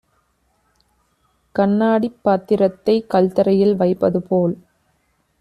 கண்ணாடிப் பாத்திரத்தைக் கல்தரையில் வைப்பதுபோல்